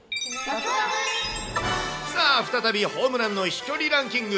さあ、再びホームランの飛距離ランキング。